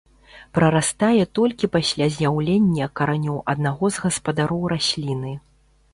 Прарастае толькі пасля з'яўлення каранёў аднаго з гаспадароў расліны.